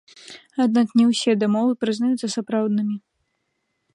Аднак не ўсе дамовы прызнаюцца сапраўднымі.